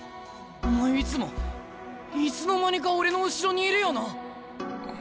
お前いつもいつの間にか俺の後ろにいるよな？